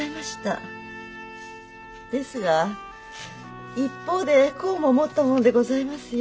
ですが一方でこうも思ったもんでございますよ。